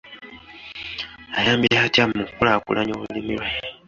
Ayambye atya mu kukulaakulanya olulimi lwe.